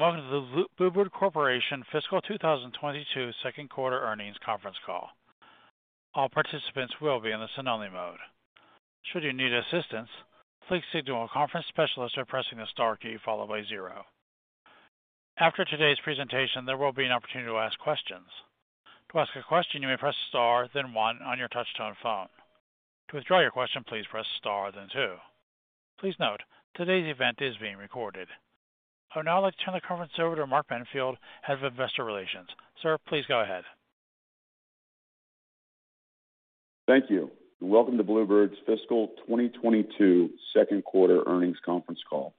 Welcome to the Blue Bird Corporation Fiscal 2022 Second Quarter Earnings Conference Call. All participants will be in the listen-only mode. Should you need assistance, please signal a conference specialist by pressing the star key followed by zero. After today's presentation, there will be an opportunity to ask questions. To ask a question, you may press star then one on your touch-tone phone. To withdraw your question, please press star then two. Please note today's event is being recorded. I would now like to turn the conference over to Mark Benfield, Head of Investor Relations. Sir, please go ahead. Thank you, and welcome to Blue Bird's Fiscal 2022 Second Quarter Earnings Conference Call.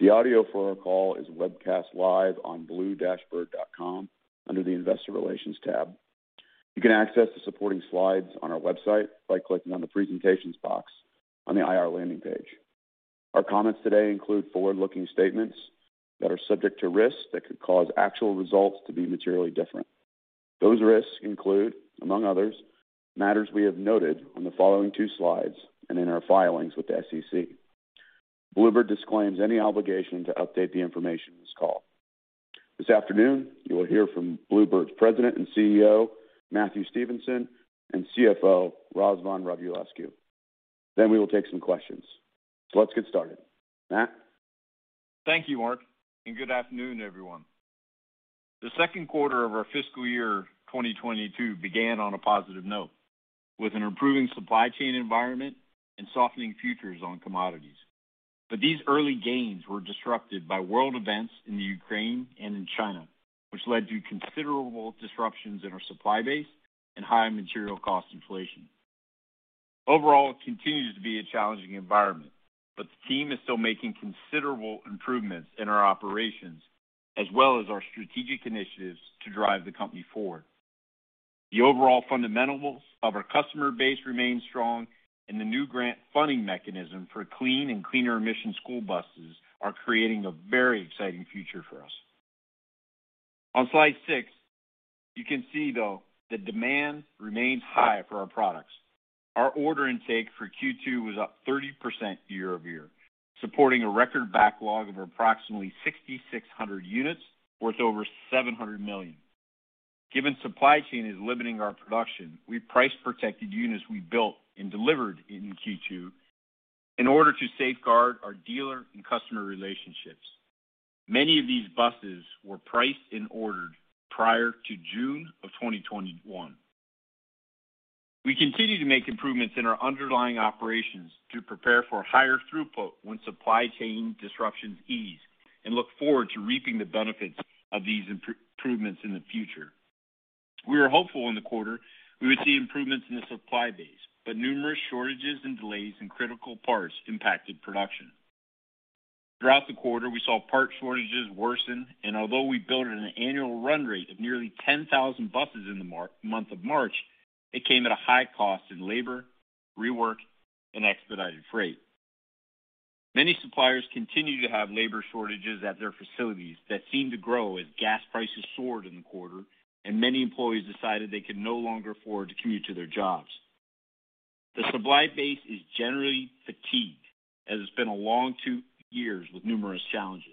The audio for our call is webcast live on blue-bird.com under the Investor Relations tab. You can access the supporting slides on our website by clicking on the Presentations box on the IR landing page. Our comments today include forward-looking statements that are subject to risks that could cause actual results to be materially different. Those risks include, among others, matters we have noted on the following two slides and in our filings with the SEC. Blue Bird disclaims any obligation to update the information in this call. This afternoon, you will hear from Blue Bird's president and CEO, Matthew Stevenson, and CFO, Răzvan Radulescu. We will take some questions. Let's get started. Matt? Thank you, Mark, and good afternoon, everyone. The second quarter of our fiscal year 2022 began on a positive note, with an improving supply chain environment and softening futures on commodities. These early gains were disrupted by world events in the Ukraine and in China, which led to considerable disruptions in our supply base and high material cost inflation. Overall, it continues to be a challenging environment, but the team is still making considerable improvements in our operations as well as our strategic initiatives to drive the company forward. The overall fundamentals of our customer base remains strong, and the new grant funding mechanism for clean and cleaner emission school buses are creating a very exciting future for us. On slide six, you can see, though, the demand remains high for our products. Our order intake for Q2 was up 30% year-over-year, supporting a record backlog of approximately 6,600 units worth over $700 million. Given supply chain is limiting our production, we price-protected units we built and delivered in Q2 in order to safeguard our dealer and customer relationships. Many of these buses were priced and ordered prior to June of 2021. We continue to make improvements in our underlying operations to prepare for higher throughput when supply chain disruptions ease and look forward to reaping the benefits of these improvements in the future. We were hopeful in the quarter we would see improvements in the supply base, but numerous shortages and delays in critical parts impacted production. Throughout the quarter, we saw part shortages worsen, and although we built an annual run rate of nearly 10,000 buses in the month of March, it came at a high cost in labor, rework, and expedited freight. Many suppliers continue to have labor shortages at their facilities that seem to grow as gas prices soared in the quarter and many employees decided they could no longer afford to commute to their jobs. The supply base is generally fatigued as it's been a long two years with numerous challenges.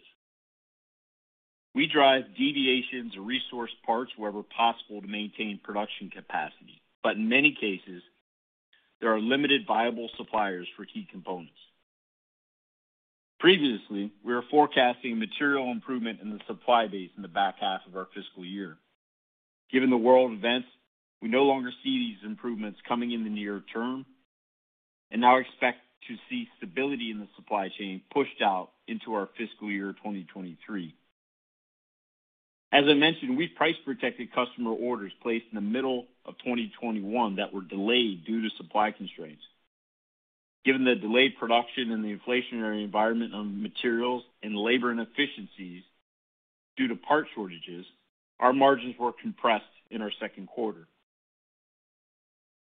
We drive deviations or resource parts wherever possible to maintain production capacity, but in many cases, there are limited viable suppliers for key components. Previously, we were forecasting material improvement in the supply base in the back half of our fiscal year. Given the world events, we no longer see these improvements coming in the near term and now expect to see stability in the supply chain pushed out into our fiscal year 2023. As I mentioned, we price-protected customer orders placed in the middle of 2021 that were delayed due to supply constraints. Given the delayed production and the inflationary environment on materials and labor inefficiencies due to part shortages, our margins were compressed in our second quarter.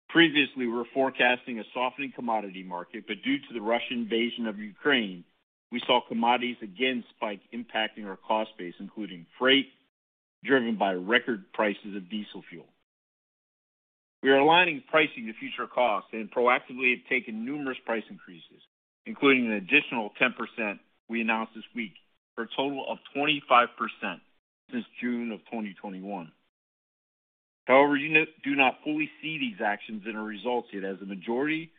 Previously, we were forecasting a softening commodity market, but due to the Russian invasion of Ukraine, we saw commodities again spike, impacting our cost base, including freight driven by record prices of diesel fuel. We are aligning pricing to future costs and proactively have taken numerous price increases, including an additional 10% we announced this week, for a total of 25% since June of 2021. However, units do not fully see these actions in our results yet as the majority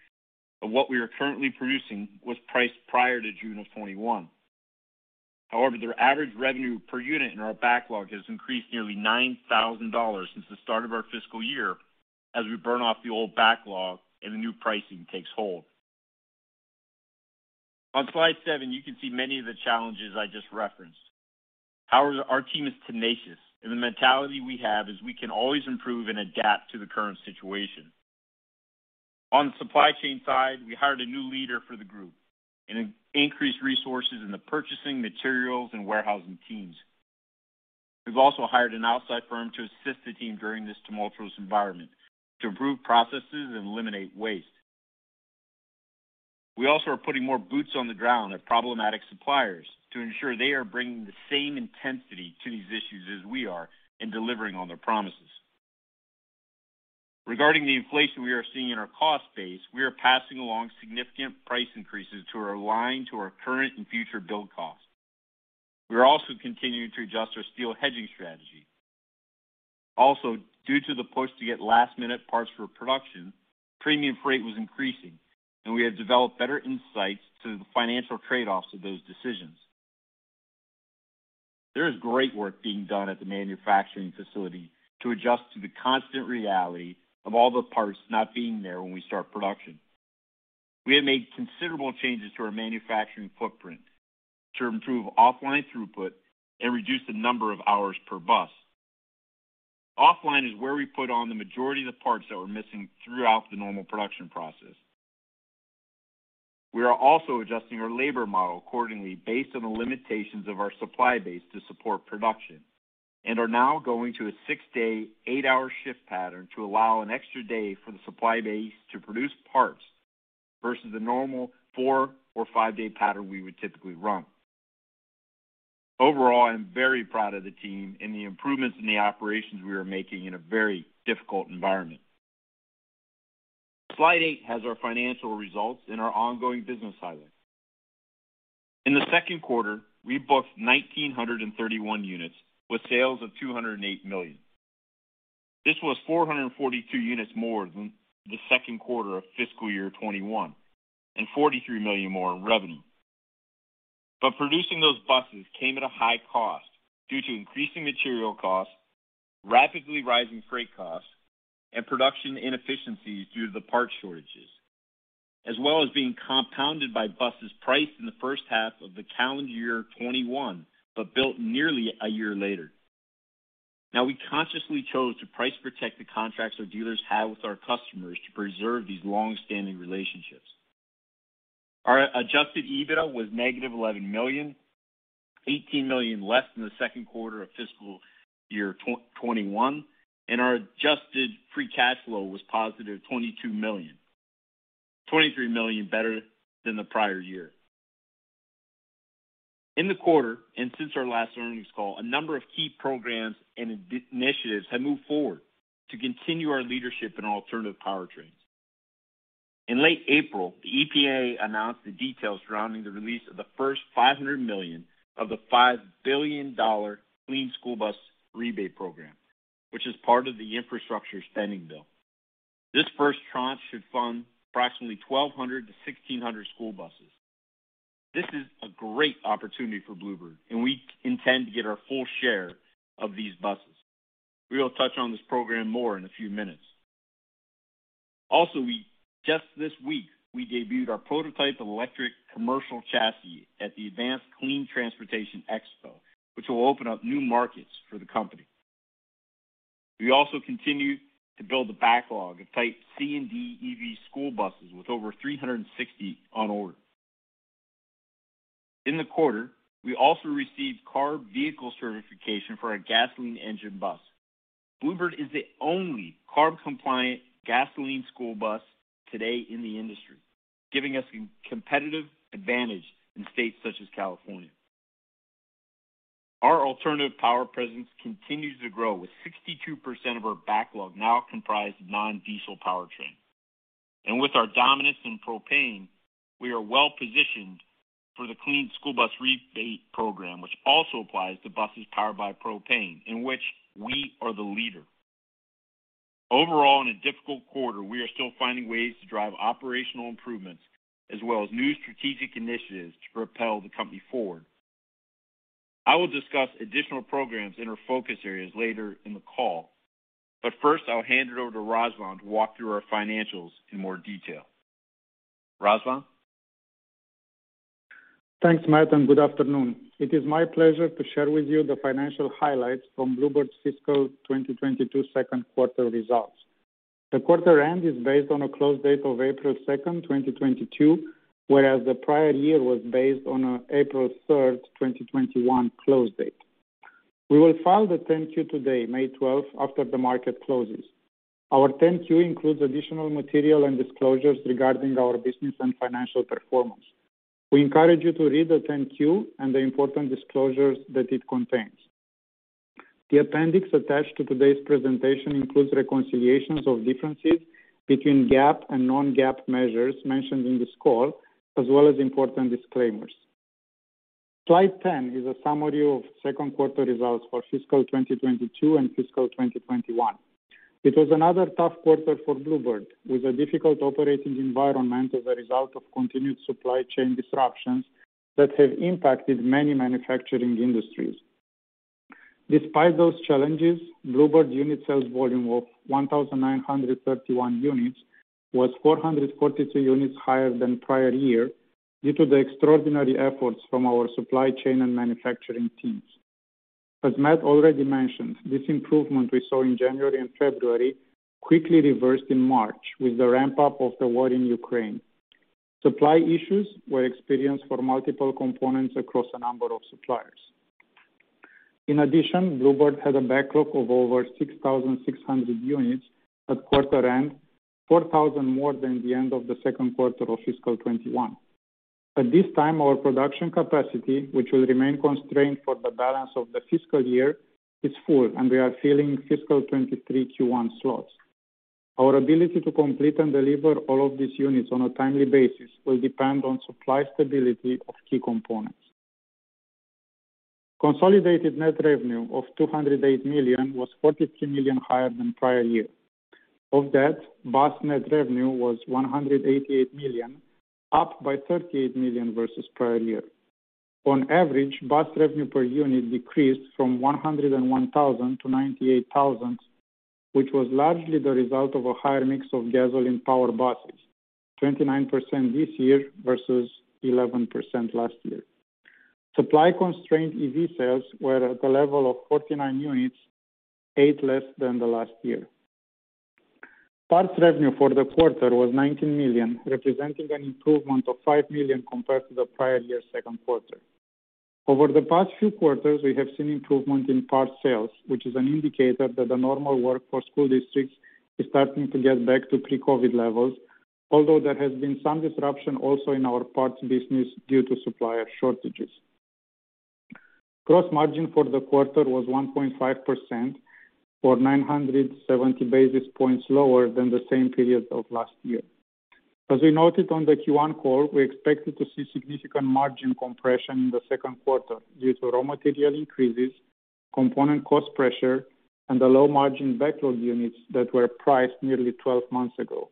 of what we are currently producing was priced prior to June of 2021. However, their average revenue per unit in our backlog has increased nearly $9,000 since the start of our fiscal year as we burn off the old backlog and the new pricing takes hold. On slide seven, you can see many of the challenges I just referenced. However, our team is tenacious, and the mentality we have is we can always improve and adapt to the current situation. On the supply chain side, we hired a new leader for the group and increased resources in the purchasing materials and warehousing teams. We've also hired an outside firm to assist the team during this tumultuous environment to improve processes and eliminate waste. We also are putting more boots on the ground at problematic suppliers to ensure they are bringing the same intensity to these issues as we are in delivering on their promises. Regarding the inflation we are seeing in our cost base, we are passing along significant price increases to our line, to our current and future build costs. We are also continuing to adjust our steel hedging strategy. Also, due to the push to get last-minute parts for production, premium freight was increasing, and we have developed better insights into the financial trade-offs of those decisions. There is great work being done at the manufacturing facility to adjust to the constant reality of all the parts not being there when we start production. We have made considerable changes to our manufacturing footprint to improve offline throughput and reduce the number of hours per bus. Offline is where we put on the majority of the parts that we're missing throughout the normal production process. We are also adjusting our labor model accordingly based on the limitations of our supply base to support production, and are now going to a six-day, eight-hour shift pattern to allow an extra day for the supply base to produce parts versus the normal four or five-day pattern we would typically run. Overall, I am very proud of the team and the improvements in the operations we are making in a very difficult environment. Slide eight has our financial results and our ongoing business highlights. In the second quarter, we booked 1,931 units with sales of $208 million. This was 442 units more than the second quarter of fiscal year 2021, and $43 million more in revenue. Producing those buses came at a high cost due to increasing material costs, rapidly rising freight costs, and production inefficiencies due to the parts shortages, as well as being compounded by buses priced in the first half of the calendar year 2021, but built nearly a year later. Now, we consciously chose to price-protect the contracts our dealers have with our customers to preserve these long-standing relationships. Our adjusted EBITDA was -$11 million, $18 million less than the second quarter of fiscal year 2021, and our adjusted free cash flow was $22 million. $23 million better than the prior year. In the quarter, and since our last earnings call, a number of key programs and initiatives have moved forward to continue our leadership in alternative powertrains. In late April, the EPA announced the details surrounding the release of the first $500 million of the $5 billion Clean School Bus Rebate Program, which is part of the infrastructure spending bill. This first tranche should fund approximately 1,200-1,600 school buses. This is a great opportunity for Blue Bird, and we intend to get our full share of these buses. We will touch on this program more in a few minutes. Also, just this week, we debuted our prototype of electric commercial chassis at the Advanced Clean Transportation Expo, which will open up new markets for the company. We also continue to build a backlog of Type C and D EV school buses with over 360 on order. In the quarter, we also received CARB vehicle certification for our gasoline engine bus. Blue Bird is the only CARB-compliant gasoline school bus today in the industry, giving us a competitive advantage in states such as California. Our alternative power presence continues to grow, with 62% of our backlog now comprised of non-diesel powertrains. With our dominance in propane, we are well-positioned for the Clean School Bus Rebate program, which also applies to buses powered by propane, in which we are the leader. Overall, in a difficult quarter, we are still finding ways to drive operational improvements as well as new strategic initiatives to propel the company forward. I will discuss additional programs in our focus areas later in the call, but first, I'll hand it over to Răzvan to walk through our financials in more detail. Răzvan? Thanks, Matt, and good afternoon. It is my pleasure to share with you the financial highlights from Blue Bird's fiscal 2022 second quarter results. The quarter end is based on a close date of April 2nd, 2022, whereas the prior year was based on an April 3rd, 2021 close date. We will file the 10-Q today, May 12th, after the market closes. Our 10-Q includes additional material and disclosures regarding our business and financial performance. We encourage you to read the 10-Q and the important disclosures that it contains. The appendix attached to today's presentation includes reconciliations of differences between GAAP and non-GAAP measures mentioned in this call, as well as important disclaimers. Slide 10 is a summary of second quarter results for fiscal 2022 and fiscal 2021. It was another tough quarter for Blue Bird, with a difficult operating environment as a result of continued supply chain disruptions that have impacted many manufacturing industries. Despite those challenges, Blue Bird unit sales volume of 1,931 units was 442 units higher than prior year due to the extraordinary efforts from our supply chain and manufacturing teams. As Matt already mentioned, this improvement we saw in January and February quickly reversed in March with the ramp-up of the war in Ukraine. Supply issues were experienced for multiple components across a number of suppliers. In addition, Blue Bird had a backlog of over 6,600 units at quarter end. 4,000 more than the end of the second quarter of fiscal 2021. At this time, our production capacity, which will remain constrained for the balance of the fiscal year, is full, and we are filling fiscal 2023 Q1 slots. Our ability to complete and deliver all of these units on a timely basis will depend on supply stability of key components. Consolidated net revenue of $208 million was $42 million higher than prior year. Of that, bus net revenue was $188 million, up by $38 million versus prior year. On average, bus revenue per unit decreased from $101,000-$98,000, which was largely the result of a higher mix of gasoline-powered buses. 29% this year versus 11% last year. Supply-constrained EV sales were at the level of 49 units, 8 less than the last year. Parts revenue for the quarter was $19 million, representing an improvement of $5 million compared to the prior year's second quarter. Over the past few quarters, we have seen improvement in parts sales, which is an indicator that the normal work for school districts is starting to get back to pre-COVID levels, although there has been some disruption also in our parts business due to supplier shortages. Gross margin for the quarter was 1.5% or 970 basis points lower than the same period of last year. As we noted on the Q1 call, we expected to see significant margin compression in the second quarter due to raw material increases, component cost pressure, and the low-margin backlogged units that were priced nearly twelve months ago.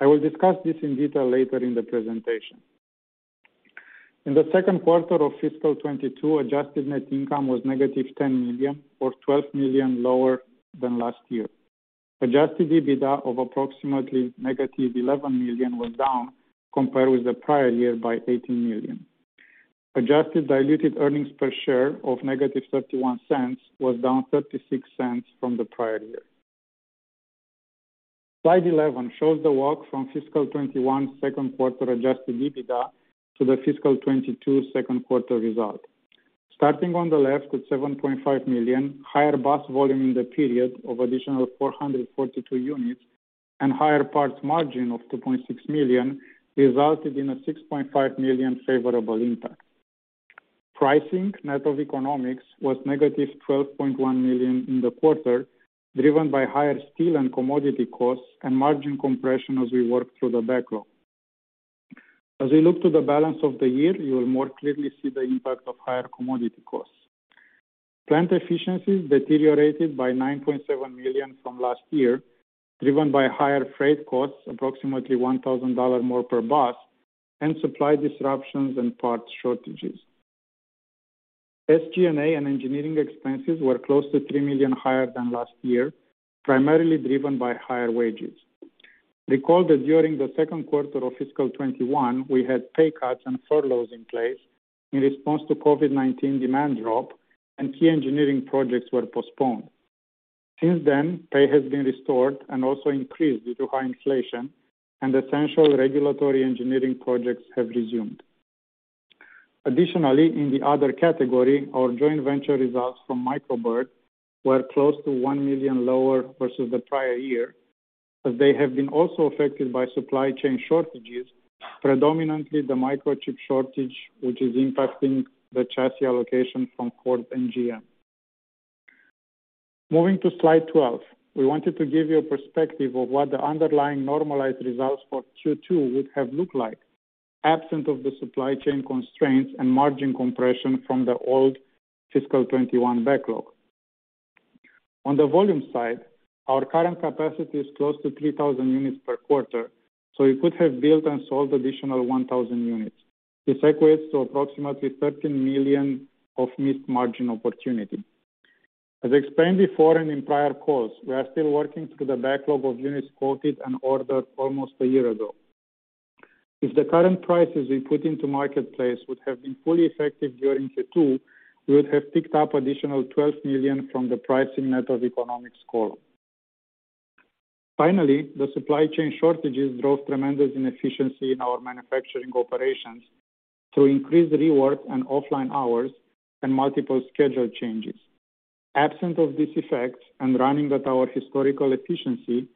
I will discuss this in detail later in the presentation. In the second quarter of fiscal 2022, adjusted net income was -$10 million or $12 million lower than last year. Adjusted EBITDA of approximately -$11 million was down compared with the prior year by $18 million. Adjusted diluted earnings per share of -$0.31 was down $0.36 from the prior year. Slide 11 shows the walk from fiscal 2021 second quarter Adjusted EBITDA to the fiscal 2022 second quarter result. Starting on the left with $7.5 million, higher bus volume in the period of additional 442 units and higher parts margin of $2.6 million resulted in a $6.5 million favorable impact. Pricing net of economics was -$12.1 million in the quarter, driven by higher steel and commodity costs and margin compression as we work through the backlog. As we look to the balance of the year, you will more clearly see the impact of higher commodity costs. Plant efficiencies deteriorated by $9.7 million from last year, driven by higher freight costs, approximately $1,000 more per bus and supply disruptions and parts shortages. SG&A and engineering expenses were close to $3 million higher than last year, primarily driven by higher wages. Recall that during the second quarter of fiscal 2021, we had pay cuts and furloughs in place in response to COVID-19 demand drop and key engineering projects were postponed. Since then, pay has been restored and also increased due to high inflation and essential regulatory engineering projects have resumed. Additionally, in the other category, our joint venture results from Micro Bird were close to $1 million lower versus the prior year, as they have been also affected by supply chain shortages, predominantly the microchip shortage, which is impacting the chassis allocation from Ford and GM. Moving to slide 12. We wanted to give you a perspective of what the underlying normalized results for Q2 would have looked like, absent of the supply chain constraints and margin compression from the old fiscal 2021 backlog. On the volume side, our current capacity is close to 3,000 units per quarter, so we could have built and sold additional 1,000 units. This equates to approximately $13 million of missed margin opportunity. As explained before and in prior calls, we are still working through the backlog of units quoted and ordered almost a year ago. If the current prices we put into marketplace would have been fully effective during Q2, we would have picked up additional $12 million from the pricing net of economics call. Finally, the supply chain shortages drove tremendous inefficiency in our manufacturing operations through increased rework and offline hours and multiple schedule changes. Absent of this effect and running at our historical efficiency,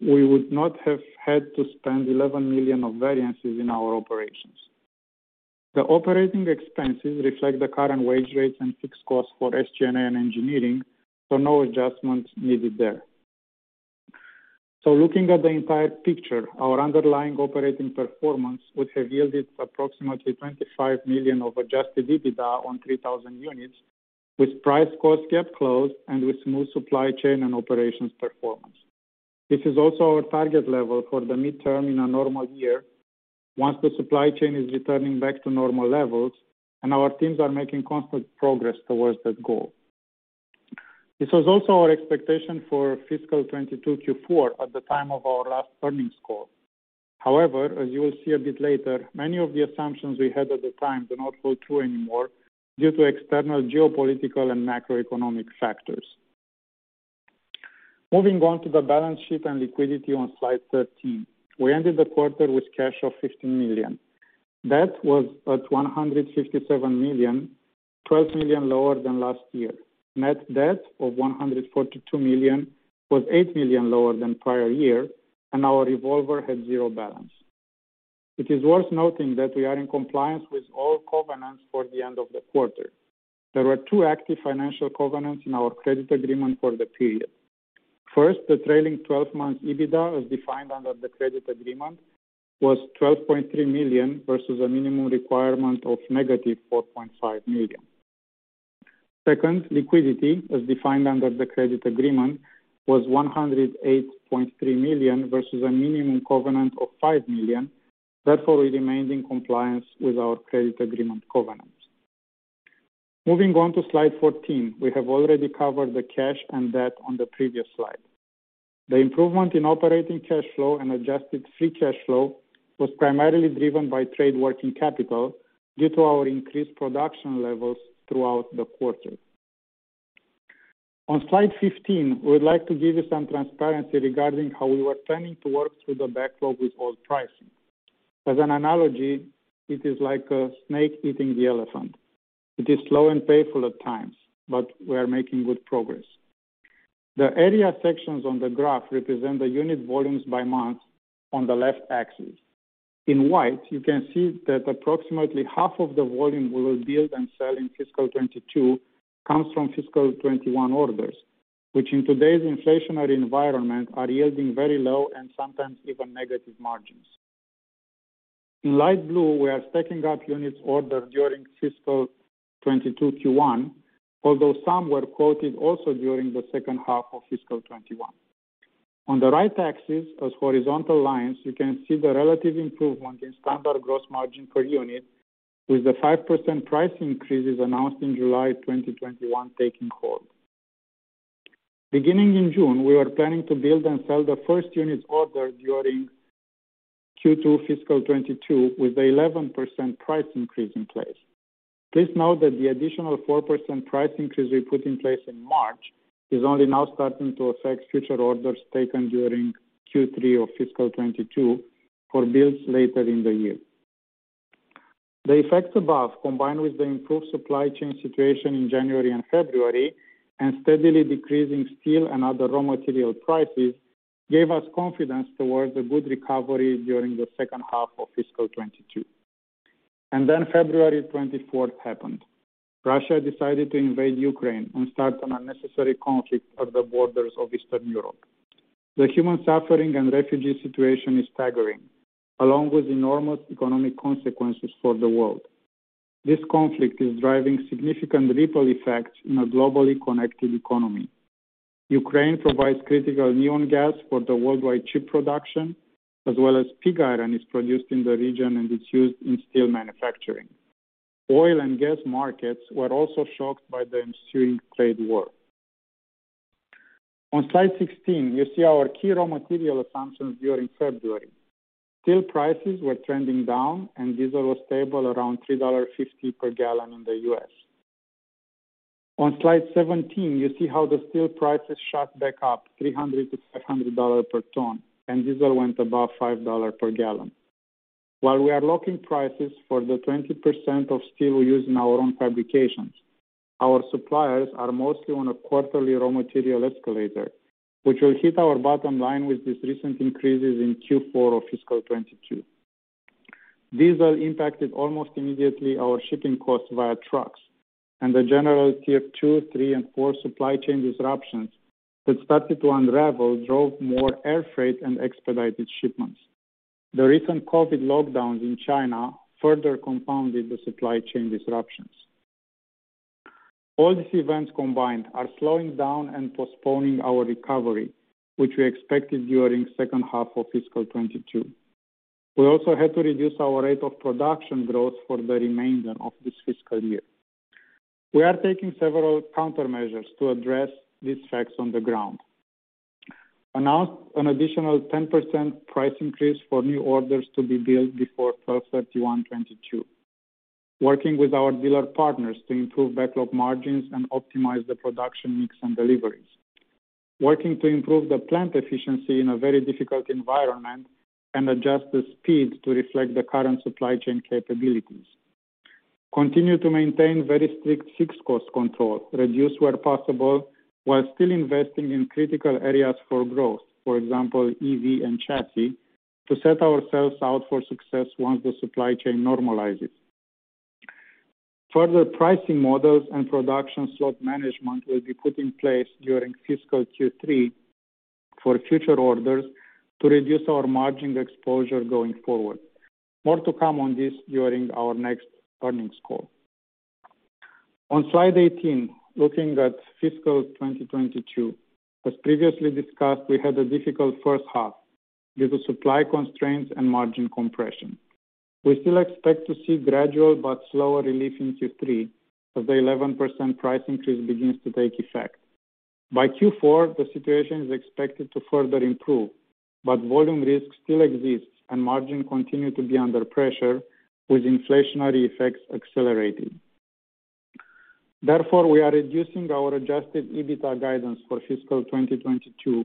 we would not have had to spend $11 million of variances in our operations. The operating expenses reflect the current wage rates and fixed costs for SG&A and engineering, so no adjustments needed there. Looking at the entire picture, our underlying operating performance would have yielded approximately $25 million of adjusted EBITDA on 3,000 units with price cost kept close and with smooth supply chain and operations performance. This is also our target level for the midterm in a normal year, once the supply chain is returning back to normal levels and our teams are making constant progress towards that goal. This was also our expectation for fiscal 2022 Q4 at the time of our last earnings call. However, as you will see a bit later, many of the assumptions we had at the time do not hold true anymore due to external geopolitical and macroeconomic factors. Moving on to the balance sheet and liquidity on slide 13. We ended the quarter with cash of $15 million. Debt was at $157 million, $12 million lower than last year. Net debt of $142 million was $8 million lower than prior year, and our revolver had 0 balance. It is worth noting that we are in compliance with all covenants for the end of the quarter. There were two active financial covenants in our credit agreement for the period. First, the trailing twelve months EBITDA, as defined under the credit agreement, was $12.3 million versus a minimum requirement of -$4.5 million. Second, liquidity, as defined under the credit agreement, was $108.3 million versus a minimum covenant of $5 million. Therefore we remained in compliance with our credit agreement covenants. Moving on to slide 14. We have already covered the cash and debt on the previous slide. The improvement in operating cash flow and adjusted free cash flow was primarily driven by trade working capital due to our increased production levels throughout the quarter. On slide 15, we'd like to give you some transparency regarding how we were planning to work through the backlog with old pricing. As an analogy, it is like a snake eating the elephant. It is slow and painful at times, but we are making good progress. The area sections on the graph represent the unit volumes by month on the left axis. In white, you can see that approximately half of the volume we will build and sell in fiscal 2022 comes from fiscal 2021 orders, which in today's inflationary environment are yielding very low and sometimes even negative margins. In light blue, we are stacking up units ordered during fiscal 2022 Q1, although some were quoted also during the second half of fiscal 2021. On the right axis, as horizontal lines, you can see the relative improvement in standard gross margin per unit with the 5% price increases announced in July 2021 taking hold. Beginning in June, we are planning to build and sell the first units ordered during Q2 fiscal 2022 with 11% price increase in place. Please note that the additional 4% price increase we put in place in March is only now starting to affect future orders taken during Q3 of fiscal 2022 for builds later in the year. The effects above, combined with the improved supply chain situation in January and February and steadily decreasing steel and other raw material prices, gave us confidence towards a good recovery during the second half of fiscal 2022. February 24th happened. Russia decided to invade Ukraine and start an unnecessary conflict at the borders of Eastern Europe. The human suffering and refugee situation is staggering, along with enormous economic consequences for the world. This conflict is driving significant ripple effects in a globally connected economy. Ukraine provides critical neon gas for the worldwide chip production as well as pig iron is produced in the region and it's used in steel manufacturing. Oil and gas markets were also shocked by the ensuing trade war. On slide 16, you see our key raw material assumptions during February. Steel prices were trending down and diesel was stable around $3.50 per gallon in the U.S. On slide 17, you see how the steel prices shot back up $300-$500 per ton, and diesel went above $5 per gallon. While we are locking prices for the 20% of steel we use in our own fabrications, our suppliers are mostly on a quarterly raw material escalator, which will hit our bottom line with these recent increases in Q4 of fiscal 2022. Diesel impacted almost immediately our shipping costs via trucks and the general tier 2, 3, and 4 supply chain disruptions that started to unravel drove more air freight and expedited shipments. The recent COVID lockdowns in China further compounded the supply chain disruptions. All these events combined are slowing down and postponing our recovery, which we expected during second half of fiscal 2022. We also had to reduce our rate of production growth for the remainder of this fiscal year. We are taking several countermeasures to address these facts on the ground. Announce an additional 10% price increase for new orders to be built before 31/12/2022. Working with our dealer partners to improve backlog margins and optimize the production mix and deliveries. Working to improve the plant efficiency in a very difficult environment and adjust the speed to reflect the current supply chain capabilities. Continue to maintain very strict fixed cost control, reduce where possible, while still investing in critical areas for growth. For example, EV and chassis to set ourselves out for success once the supply chain normalizes. Further pricing models and production slot management will be put in place during fiscal Q3 for future orders to reduce our margin exposure going forward. More to come on this during our next earnings call. On slide 18, looking at fiscal 2022. As previously discussed, we had a difficult first half due to supply constraints and margin compression. We still expect to see gradual but slower relief in Q3 as the 11% price increase begins to take effect. By Q4, the situation is expected to further improve, but volume risk still exists and margins continue to be under pressure with inflationary effects accelerating. Therefore, we are reducing our adjusted EBITDA guidance for fiscal 2022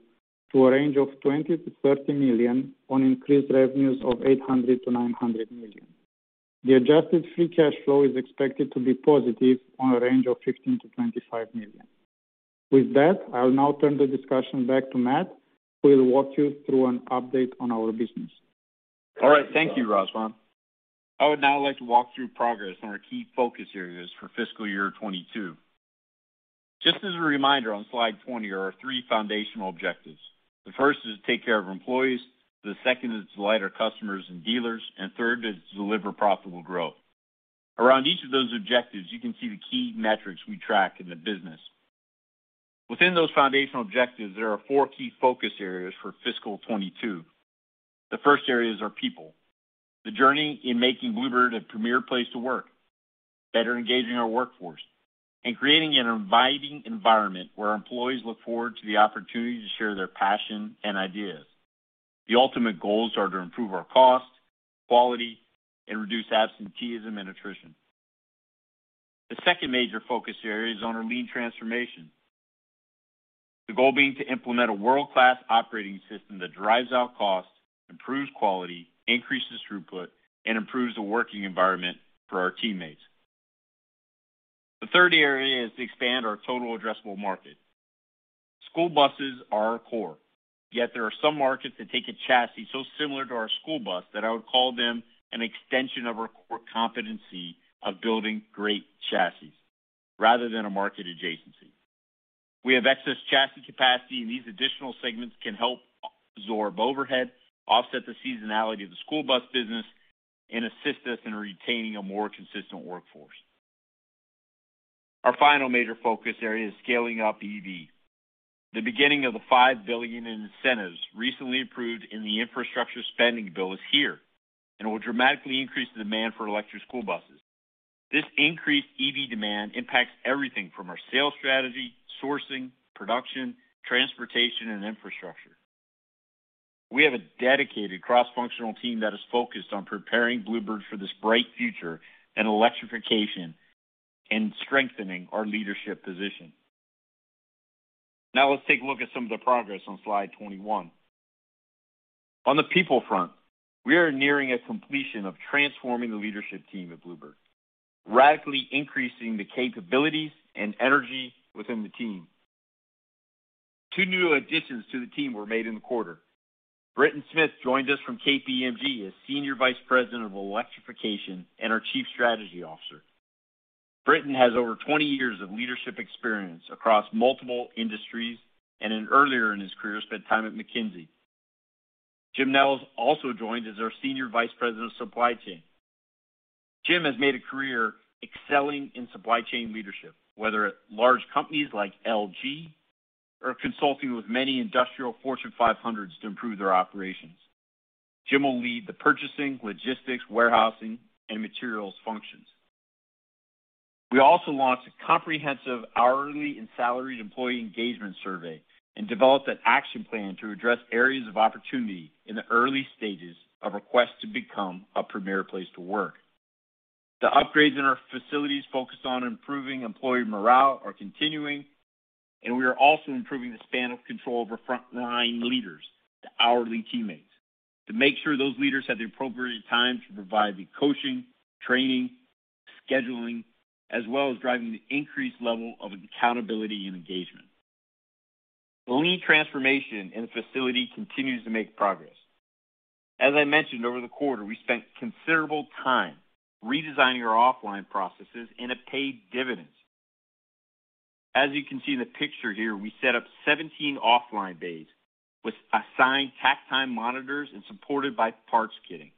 to a range of $20 million-$30 million on increased revenues of $800 million-$900 million. The adjusted free cash flow is expected to be positive in a range of $15 million-$25 million. With that, I'll now turn the discussion back to Matt, who will walk you through an update on our business. All right. Thank you, Răzvan. I would now like to walk through progress on our key focus areas for fiscal year 2022. Just as a reminder on slide 20 are our three foundational objectives. The first is to take care of employees, the second is to delight our customers and dealers, and third is to deliver profitable growth. Around each of those objectives, you can see the key metrics we track in the business. Within those foundational objectives, there are four key focus areas for fiscal 2022. The first area is our people. The journey in making Blue Bird a premier place to work, better engaging our workforce, and creating an inviting environment where employees look forward to the opportunity to share their passion and ideas. The ultimate goals are to improve our cost, quality, and reduce absenteeism and attrition. The second major focus area is on our lean transformation. The goal being to implement a world-class operating system that drives out costs, improves quality, increases throughput, and improves the working environment for our teammates. The third area is to expand our total addressable market. School buses are our core, yet there are some markets that take a chassis so similar to our school bus that I would call them an extension of our core competency of building great chassis rather than a market adjacency. We have excess chassis capacity, and these additional segments can help absorb overhead, offset the seasonality of the school bus business, and assist us in retaining a more consistent workforce. Our final major focus area is scaling up EV. The beginning of the $5 billion in incentives recently approved in the infrastructure spending bill is here and will dramatically increase the demand for electric school buses. This increased EV demand impacts everything from our sales strategy, sourcing, production, transportation, and infrastructure. We have a dedicated cross-functional team that is focused on preparing Blue Bird for this bright future and electrification and strengthening our leadership position. Now let's take a look at some of the progress on slide 21. On the people front, we are nearing a completion of transforming the leadership team at Blue Bird, radically increasing the capabilities and energy within the team. Two new additions to the team were made in the quarter. Britton Smith joined us from KPMG as Senior Vice President of Electrification and our Chief Strategy Officer. Britton has over 20 years of leadership experience across multiple industries and earlier in his career spent time at McKinsey. Jim Nelles also joined as our Senior Vice President of Supply Chain. Jim has made a career excelling in supply chain leadership, whether at large companies like LG or consulting with many industrial Fortune 500s to improve their operations. Jim will lead the purchasing, logistics, warehousing, and materials functions. We also launched a comprehensive hourly and salaried employee engagement survey and developed an action plan to address areas of opportunity in the early stages of our quest to become a premier place to work. The upgrades in our facilities focused on improving employee morale are continuing, and we are also improving the span of control over frontline leaders to hourly teammates to make sure those leaders have the appropriate time to provide the coaching, training, scheduling, as well as driving the increased level of accountability and engagement. The lean transformation in the facility continues to make progress. As I mentioned, over the quarter, we spent considerable time redesigning our offline processes and have paid dividends. As you can see in the picture here, we set up 17 offline bays with assigned takt time monitors and supported by parts kitting.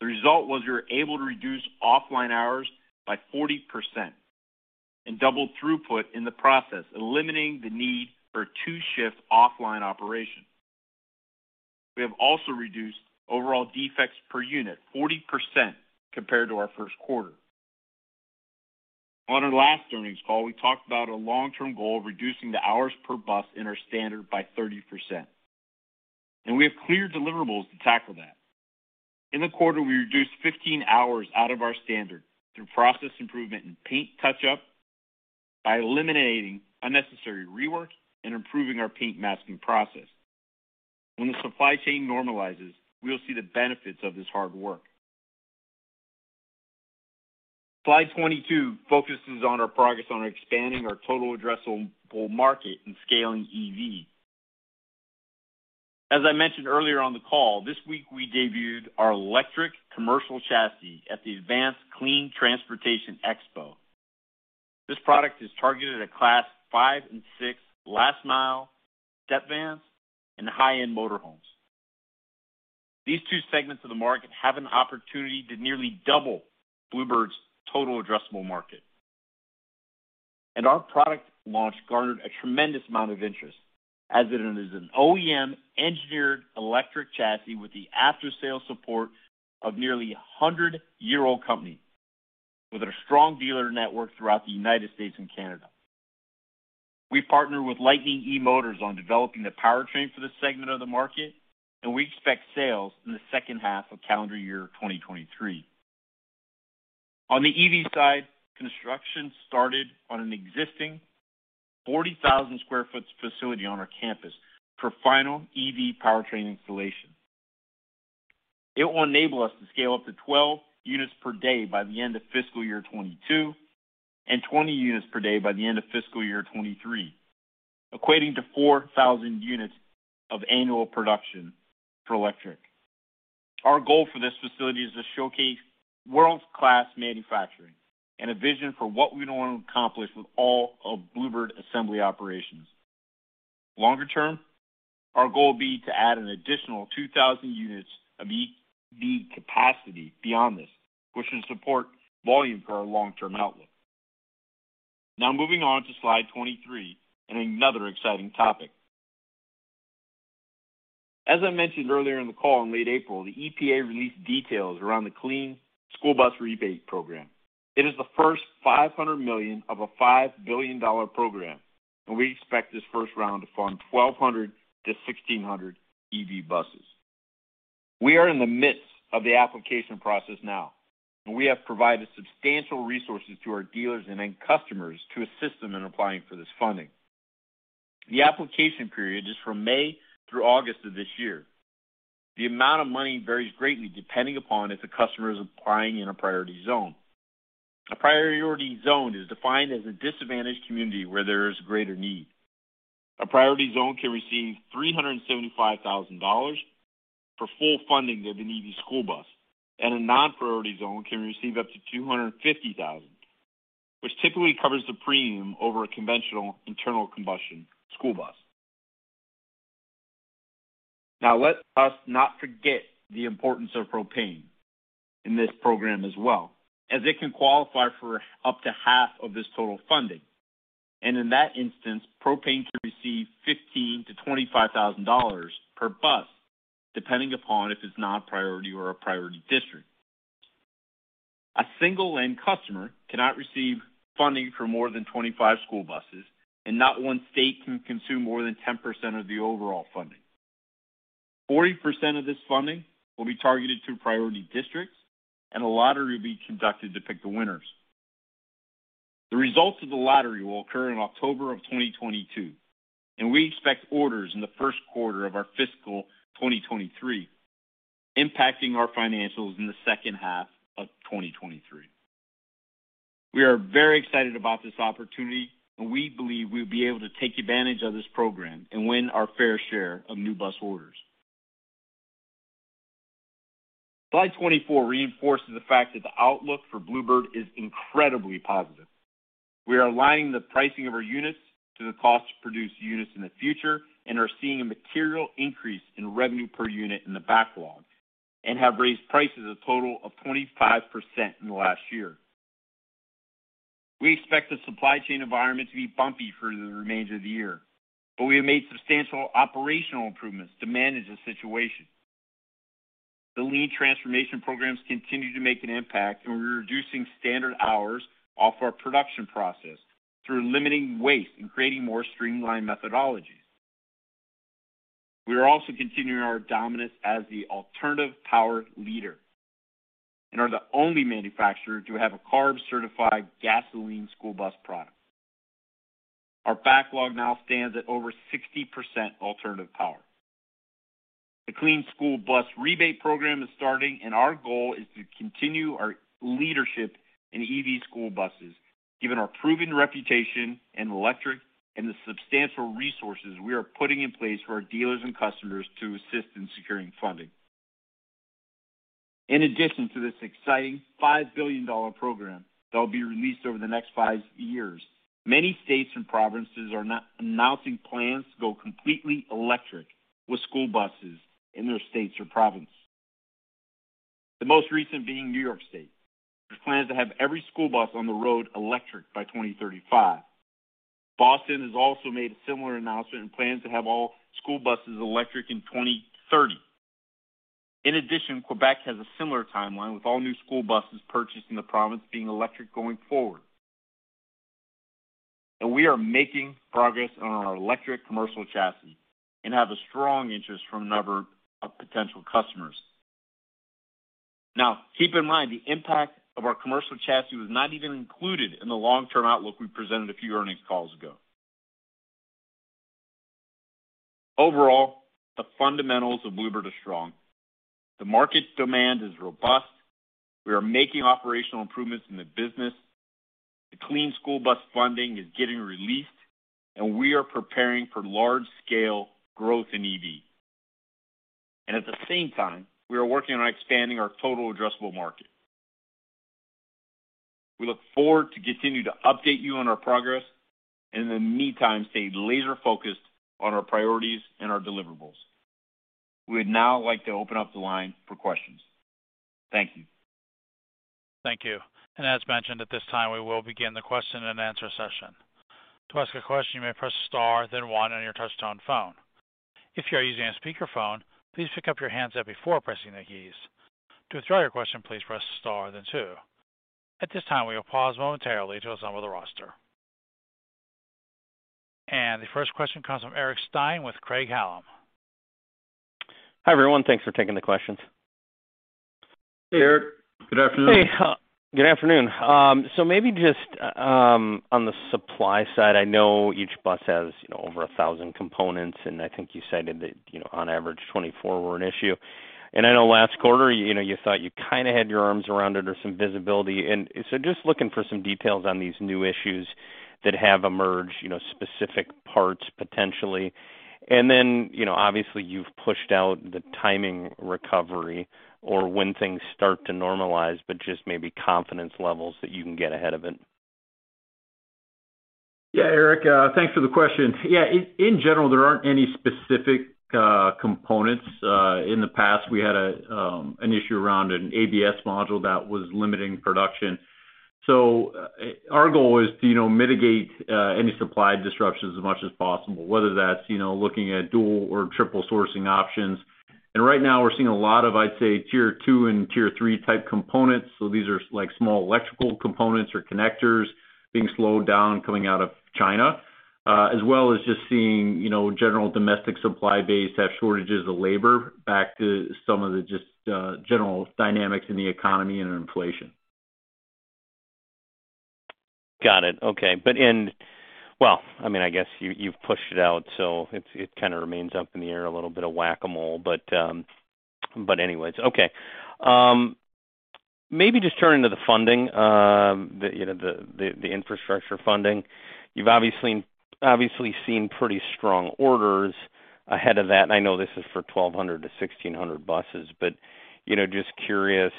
The result was we were able to reduce offline hours by 40% and double throughput in the process, eliminating the need for a two-shift offline operation. We have also reduced overall defects per unit 40% compared to our first quarter. On our last earnings call, we talked about a long-term goal of reducing the hours per bus in our standard by 30%, and we have clear deliverables to tackle that. In the quarter, we reduced 15 hours out of our standard through process improvement in paint touch-up by eliminating unnecessary rework and improving our paint masking process. When the supply chain normalizes, we will see the benefits of this hard work. Slide 22 focuses on our progress on expanding our total addressable market and scaling EV. As I mentioned earlier on the call, this week we debuted our electric commercial chassis at the Advanced Clean Transportation Expo. This product is targeted at Class five and six last mile step vans and high-end motorhomes. These two segments of the market have an opportunity to nearly double Blue Bird's total addressable market. Our product launch garnered a tremendous amount of interest as it is an OEM-engineered electric chassis with the after-sale support of nearly a 100-year-old company with a strong dealer network throughout the United States and Canada. We partner with Lightning eMotors on developing the powertrain for this segment of the market, and we expect sales in the second half of calendar year 2023. On the EV side, construction started on an existing 40,000sq ft facility on our campus for final EV powertrain installation. It will enable us to scale up to 12 units per day by the end of fiscal year 2022 and 20 units per day by the end of fiscal year 2023, equating to 4,000 units of annual production for electric. Our goal for this facility is to showcase world-class manufacturing and a vision for what we want to accomplish with all of Blue Bird assembly operations. Longer term, our goal will be to add an additional 2,000 units of EV capacity beyond this, which will support volume for our long-term outlook. Now moving on to slide 23 and another exciting topic. As I mentioned earlier in the call, in late April, the EPA released details around the Clean School Bus Rebate program. It is the first $500 million of a $5 billion program, and we expect this first round to fund 1,200-1,600 EV buses. We are in the midst of the application process now, and we have provided substantial resources to our dealers and end customers to assist them in applying for this funding. The application period is from May through August of this year. The amount of money varies greatly depending upon if the customer is applying in a priority zone. A priority zone is defined as a disadvantaged community where there is greater need. A priority zone can receive $375,000 for full funding of an EV school bus, and a non-priority zone can receive up to $250,000, which typically covers the premium over a conventional internal combustion school bus. Now let us not forget the importance of propane in this program as well, as it can qualify for up to half of this total funding. In that instance, propane can receive $15,000-$25,000 per bus, depending upon if it's non-priority or a priority district. A single end customer cannot receive funding for more than 25 school buses, and not one state can consume more than 10% of the overall funding. 40% of this funding will be targeted to priority districts, and a lottery will be conducted to pick the winners. The results of the lottery will occur in October 2022, and we expect orders in the first quarter of our fiscal 2023, impacting our financials in the second half of 2023. We are very excited about this opportunity, and we believe we'll be able to take advantage of this program and win our fair share of new bus orders. Slide 24 reinforces the fact that the outlook for Blue Bird is incredibly positive. We are aligning the pricing of our units to the cost to produce units in the future and are seeing a material increase in revenue per unit in the backlog and have raised prices a total of 25% in the last year. We expect the supply chain environment to be bumpy for the remainder of the year, but we have made substantial operational improvements to manage the situation. The lean transformation programs continue to make an impact, and we're reducing standard hours off our production process through limiting waste and creating more streamlined methodologies. We are also continuing our dominance as the alternative power leader and are the only manufacturer to have a CARB-certified gasoline school bus product. Our backlog now stands at over 60% alternative power. The Clean School Bus Rebate Program is starting, and our goal is to continue our leadership in EV school buses, given our proven reputation in electric and the substantial resources we are putting in place for our dealers and customers to assist in securing funding. In addition to this exciting $5 billion program that will be released over the next five years, many states and provinces are now announcing plans to go completely electric with school buses in their states or provinces. The most recent being New York State, which plans to have every school bus on the road electric by 2035. Boston has also made a similar announcement and plans to have all school buses electric in 2030. In addition, Quebec has a similar timeline, with all new school buses purchased in the province being electric going forward. We are making progress on our electric commercial chassis and have a strong interest from a number of potential customers. Now, keep in mind the impact of our commercial chassis was not even included in the long-term outlook we presented a few earnings calls ago. Overall, the fundamentals of Blue Bird are strong. The market demand is robust. We are making operational improvements in the business. The Clean School Bus funding is getting released, and we are preparing for large-scale growth in EV. At the same time, we are working on expanding our total addressable market. We look forward to continuing to update you on our progress and in the meantime, stay laser-focused on our priorities and our deliverables. We would now like to open up the line for questions. Thank you. Thank you. As mentioned, at this time, we will begin the question and answer session. To ask a question, you may press star then one on your touchtone phone. If you are using a speakerphone, please pick up your handset before pressing the keys. To withdraw your question, please press star then two. At this time, we will pause momentarily to assemble the roster. The first question comes from Eric Stine with Craig-Hallum. Hi, everyone. Thanks for taking the questions. Hey, Eric. Good afternoon. Hey, good afternoon. Maybe just on the supply side, I know each bus has, you know, over 1,000 components, and I think you cited that, you know, on average, 24 were an issue. I know last quarter, you thought you kinda had your arms around it or some visibility. Just looking for some details on these new issues that have emerged, you know, specific parts, potentially. You know, obviously, you've pushed out the timing recovery or when things start to normalize, but just maybe confidence levels that you can get ahead of it. Yeah, Eric, thanks for the question. Yeah, in general, there aren't any specific components. In the past, we had an issue around an ABS module that was limiting production. Our goal is to mitigate any supply disruptions as much as possible, whether that's looking at dual or triple sourcing options. Right now we're seeing a lot of, I'd say tier two and tier three type components. These are like small electrical components or connectors being slowed down coming out of China, as well as just seeing, you know, general domestic supply base have shortages of labor back to some of the just general dynamics in the economy and in inflation. Got it. Okay. Well, I mean, I guess you've pushed it out, so it kinda remains up in the air, a little bit of whack-a-mole. Anyways. Okay. Maybe just turning to the funding, you know, the infrastructure funding. You've obviously seen pretty strong orders ahead of that. I know this is for 1,200-1,600 buses. You know, just curious,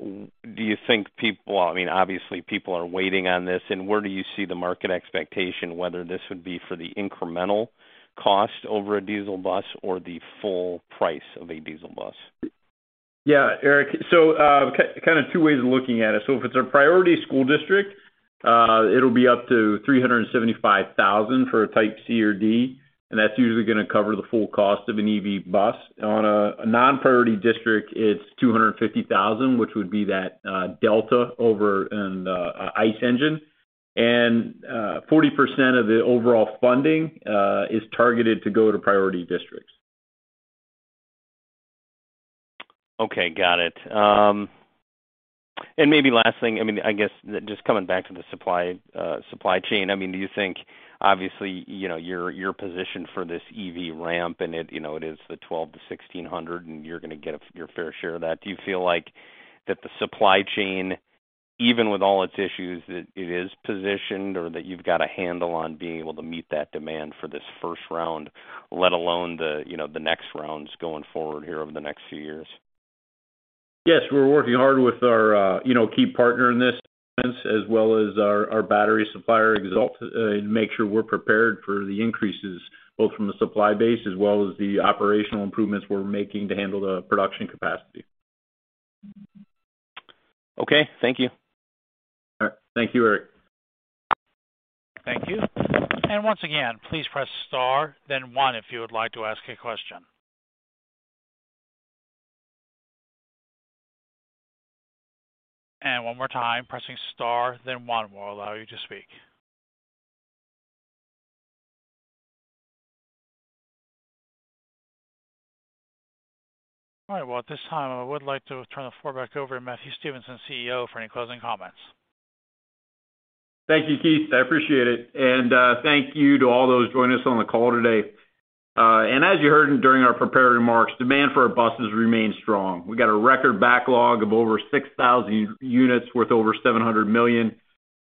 do you think I mean, obviously people are waiting on this, and where do you see the market expectation whether this would be for the incremental cost over a diesel bus or the full price of a diesel bus? Yeah, Eric. Kind of two ways of looking at it. If it's a priority school district, it'll be up to $375,000 for a Type C or D, and that's usually gonna cover the full cost of an EV bus. On a non-priority district, it's $250,000, which would be that delta over in the ICE engine. 40% of the overall funding is targeted to go to priority districts. Okay, got it. Maybe last thing, I mean, I guess just coming back to the supply chain, I mean, do you think, obviously, you know, your, you're positioned for this EV ramp and it, you know, it is the 1,200-1,600, and you're gonna get your fair share of that. Do you feel like that the supply chain, even with all its issues, that it is positioned or that you've got a handle on being able to meet that demand for this first round, let alone the, you know, the next rounds going forward here over the next few years? Yes, we're working hard with our, you know, key partner in this, as well as our battery supplier, XALT Energy, to make sure we're prepared for the increases, both from the supply base as well as the operational improvements we're making to handle the production capacity. Okay, thank you. All right. Thank you, Eric. Thank you. Once again, please press star then one if you would like to ask a question. One more time, pressing star then one will allow you to speak. All right, well, at this time, I would like to turn the floor back over to Matthew Stevenson, CEO, for any closing comments. Thank you, Keith. I appreciate it. Thank you to all those joining us on the call today. As you heard during our prepared remarks, demand for our buses remains strong. We've got a record backlog of over 6,000 units worth over $700 million,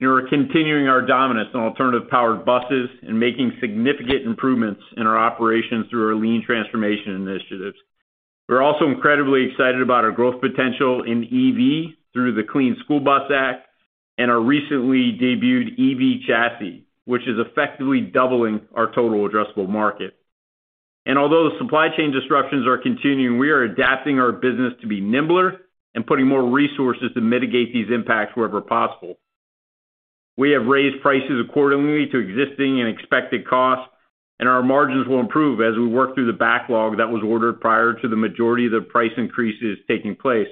and we're continuing our dominance on alternative-powered buses and making significant improvements in our operations through our lean transformation initiatives. We're also incredibly excited about our growth potential in EV through the Clean School Bus Program and our recently debuted EV chassis, which is effectively doubling our total addressable market. Although the supply chain disruptions are continuing, we are adapting our business to be nimbler and putting more resources to mitigate these impacts wherever possible. We have raised prices accordingly to existing and expected costs, and our margins will improve as we work through the backlog that was ordered prior to the majority of the price increases taking place.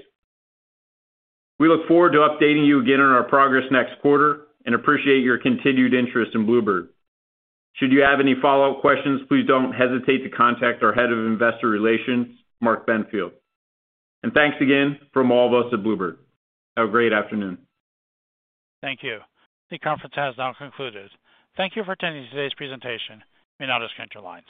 We look forward to updating you again on our progress next quarter and appreciate your continued interest in Blue Bird. Should you have any follow-up questions, please don't hesitate to contact our Head of Investor Relations, Mark Benfield. Thanks again from all of us at Blue Bird. Have a great afternoon. Thank you. The conference has now concluded. Thank you for attending today's presentation. You may now disconnect your lines.